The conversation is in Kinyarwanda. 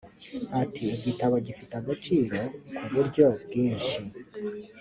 Ati “Igitabo gifite agaciro ku buryo bwinshi